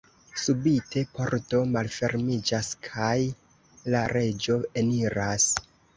Subite pordo malfermiĝas, kaj la reĝo eniras.